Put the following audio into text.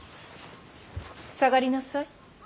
下がりなさい。